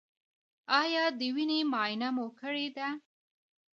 ایا د وینې معاینه مو کړې ده؟